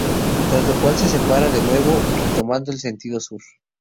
Tras lo cual se separa de nuevo, retomando el sentido sur.